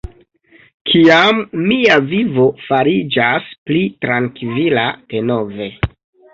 Kiam mia vivo fariĝas pli trankvila denove